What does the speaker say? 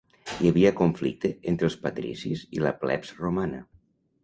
Hi havia conflicte entre els patricis i la plebs romana.